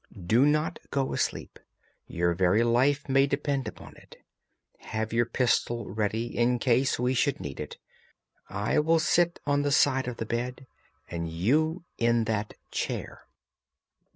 "Do not go asleep; your very life may depend upon it. Have your pistol ready in case we should need it. I will sit on the side of the bed, and you in that chair."